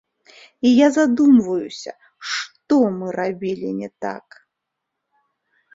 І я задумваюся, што мы рабілі не так.